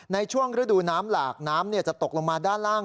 ในช่วงฤดูน้ำหลากน้ำจะตกลงมาด้านล่าง